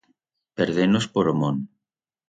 Perder-nos por o mont.